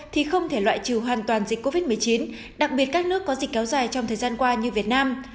thì không thể loại trừ hoàn toàn dịch covid một mươi chín đặc biệt các nước có dịch kéo dài trong thời gian qua như việt nam